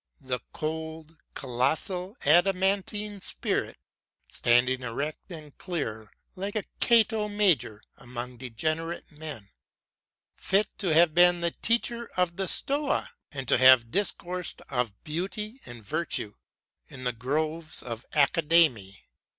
The cold, colossal, adamantine spirit, standing erect and clear, like a Cato Major among degenerate men; fit to have been the teacher of the Stoa, and to have discoursed of Beauty and Virtue in the groves of Academe